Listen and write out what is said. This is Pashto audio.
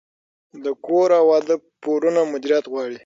د کور او واده پورونه مدیریت غواړي.